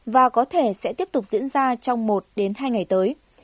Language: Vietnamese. và có thể sẽ tiếp tục diễn ra trong một hai ngày tới